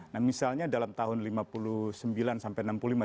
nah misalnya dalam tahun lima puluh sembilan sampai enam puluh lima